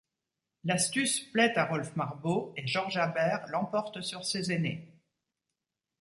L'astuce plaît à Rolf Marbot et Georges Aber l'emporte sur ses aînés.